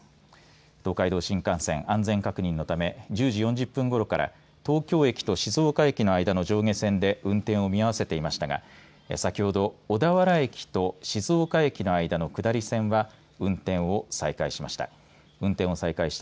東海道新幹線、安全確認のため１０時４０分ごろから東京駅と静岡駅の間の上下線で運転を見合わせていましたが先ほど小田原駅と静岡駅の間の下り線は運転を再開しました。